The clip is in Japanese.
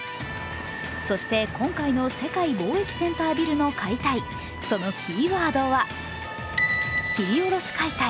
そして今回の世界貿易センタービルの解体、そのキーワードは切り下ろし解体。